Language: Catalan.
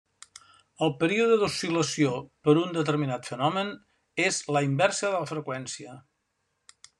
El període d'oscil·lació per un determinat fenomen és la inversa de la freqüència.